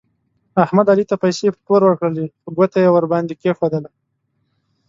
احمد علي ته پیسې په پور ورکړلې خو ګوته یې ور باندې کېښودله.